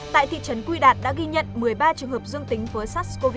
tại thị trấn quy đạt đã ghi nhận một mươi ba trường hợp dương tính với sars cov hai